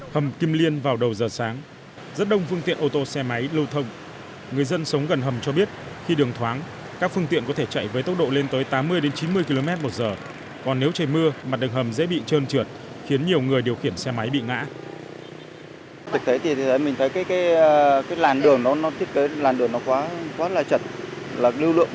hầm kim liên vào đầu giờ sáng rất đông phương tiện ô tô xe máy lâu thông người dân sống gần hầm cho biết khi đường thoáng các phương tiện có thể chạy với tốc độ lên tới tám mươi chín mươi km một giờ còn nếu trời mưa mặt đường hầm dễ bị trơn trượt khiến nhiều người điều khiển xe máy bị ngã